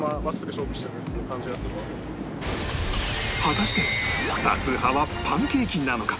果たして多数派はパンケーキなのか？